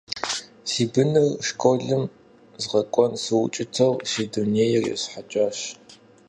Си быныр школым згъэкӀуэн сыукӀытэу си дунейр есхьэкӀащ.